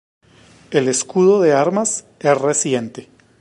El escudo de armas es reciente.